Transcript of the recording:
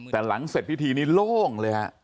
แต่หลังเสร็จพิธีนี้โล่งเลยฮะ